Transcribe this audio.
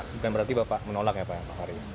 bukan berarti bapak menolak ya pak fahri